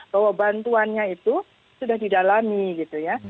bahwa bantuannya itu sudah didalami gitu ya